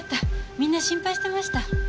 みんな心配してました。